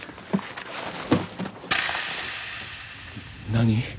何？